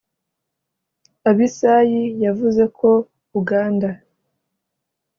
Abisai yavuze ko Uganda